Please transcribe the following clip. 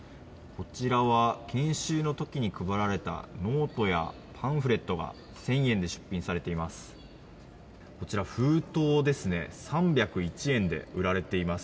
こちらは研修の時に配られたノートやパンフレットが１０００円で出品されています。